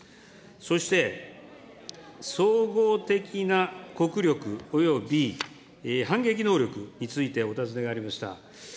そして、総合的な国力および反撃能力についてお尋ねがありました。